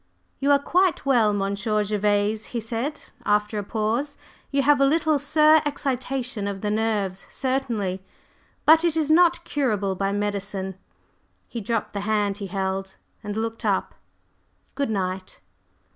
"You are quite well, Monsieur Gervase," he said after a pause, "You have a little sur excitation of the nerves, certainly, but it is not curable by medicine." He dropped the hand he held, and looked up "Good night!"